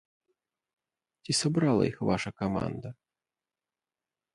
Ці сабрала іх ваша каманда?